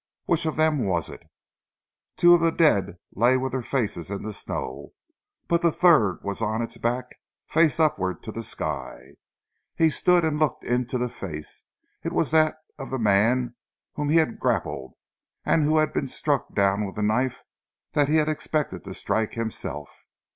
Which of them was it? Two of the dead lay with their faces in the snow, but the third was on its back, face upward to the sky. He stood and looked into the face. It was that of the man whom he had grappled, and who had been struck down with the knife that he had expected to strike himself.